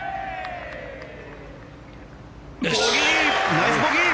ナイスボギー！